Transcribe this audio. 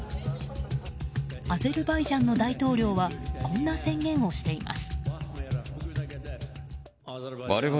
アゼルバイジャンの大統領はこんな宣言をしています。